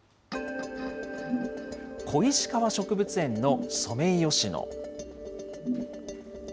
小石川植物園のソメイヨシノ。